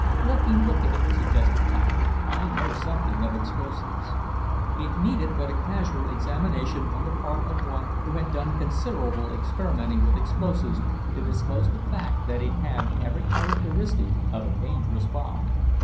"Let me look at it," suggested Tom. "I know something of explosives." It needed but a casual examination on the part of one who had done considerable experimenting with explosives to disclose the fact that it had every characteristic of a dangerous bomb.